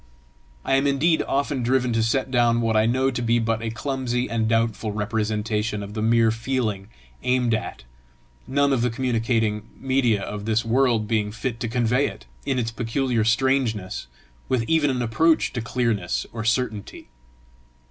I am indeed often driven to set down what I know to be but a clumsy and doubtful representation of the mere feeling aimed at, none of the communicating media of this world being fit to convey it, in its peculiar strangeness, with even an approach to clearness or certainty.